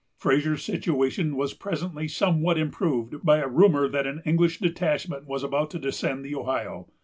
Fraser's situation was presently somewhat improved by a rumor that an English detachment was about to descend the Ohio.